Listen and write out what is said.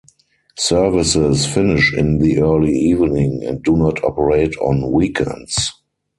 Services finish in the early evening and do not operate on weekends.